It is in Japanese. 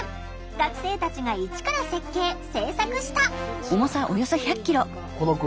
学生たちが一から設計・制作した。